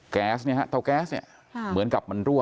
แก๊สเนี่ยฮะเตาแก๊สเนี่ยเหมือนกับมันรั่ว